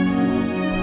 mama masih tidur